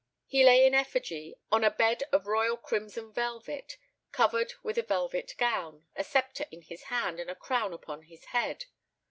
He lay in effigy on a bed of royal crimson velvet, covered with a velvet gown, a sceptre in his hand, and a crown upon his head.